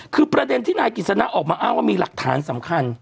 คือประเด็นที่นายกิจสนะออกมาอ้างว่ามีหลักฐานสำคัญ